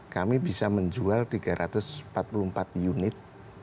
kami bisa menjual tiga ratus empat puluh empat unit